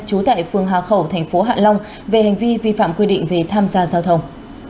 trú tại phường hà khẩu thành phố hạ long về hành vi vi phạm quy định về tham gia giao thông